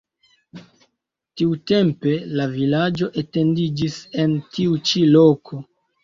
Tiutempe la vilaĝo etendiĝis en tiu ĉi loko.